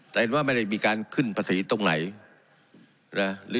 แต่เห็นว่าไม่ได้มีการขึ้นภาษีตรงไหนนะ